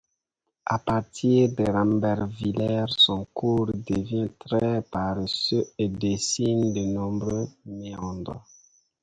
À partir de Rambervillers, son cours devient très paresseux et dessine de nombreux méandres.